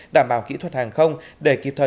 đảm bảo kỹ thuật hàng không để kịp thời